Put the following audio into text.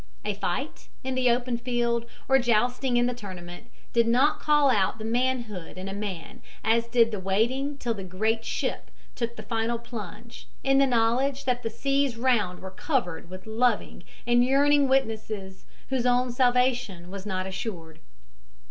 A fight in the open field, or jousting in the tournament, did not call out the manhood in a man as did the waiting till the great ship took the final plunge, in the knowledge that the seas round about were covered with loving and yearning witnesses whose own salvation was not assured.